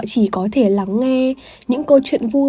chỉ có thể lắng nghe những câu chuyện vui